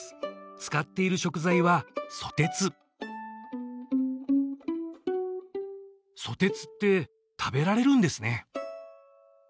使っている食材はソテツソテツって食べられるんですね